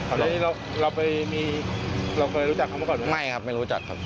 อันนี้เราไปรู้จักเขาเมื่อก่อนมั้ยครับไม่ครับไม่รู้จักครับ